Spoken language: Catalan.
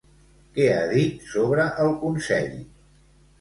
Què ha dit sobre el Consell?